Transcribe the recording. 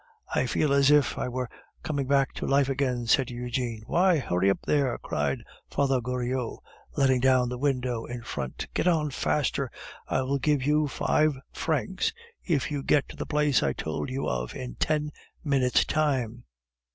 "I feel as if I were coming back to life again," said Eugene. "Why, hurry up there!" cried Father Goriot, letting down the window in front. "Get on faster; I will give you five francs if you get to the place I told you of in ten minutes time."